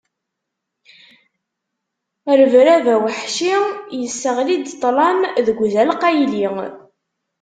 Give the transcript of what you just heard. Rebrab aweḥci iseɣli-d ṭṭlam deg uzal qqayli.